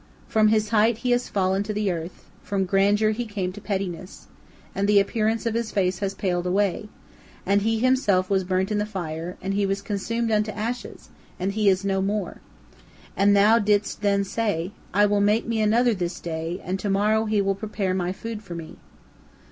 From his height he has fallen to the earth, from grandeur he came to pettiness, and the appearance of his face has paled away, and he himself was burnt in the fire, and he was consumed unto ashes, and he is no more. And thou didst then say, 'I will make me another this day, and to morrow he will prepare my food for me.'